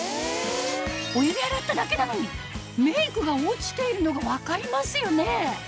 お湯で洗っただけなのにメイクが落ちているのが分かりますよね